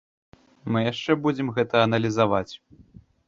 Мы яшчэ будзем гэта аналізаваць.